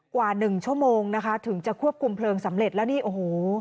กว่าหนึ่งชั่วโมงนะคะถึงจะควบคุมเพลิงสำเร็จแล้วนี่โอ้โห